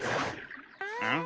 うん？